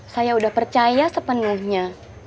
saya udah percaya sepenuhnya